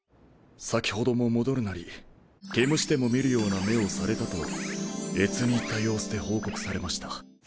先ほども戻るなり「毛虫でも見るような目をされた」と悦に入った様子で報告されました。